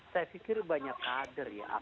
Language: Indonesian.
saya pikir banyak kader ya